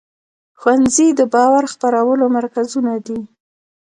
ښوونځي د باور خپرولو مرکزونه دي.